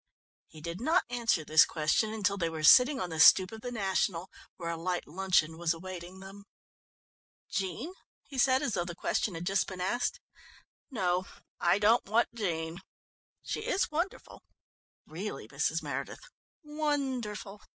He did not answer this question until they were sitting on the stoep of the National, where a light luncheon was awaiting them. "Jean?" he said, as though the question had just been asked. "No, I don't want Jean. She is wonderful, really, Mrs. Meredith, wonderful!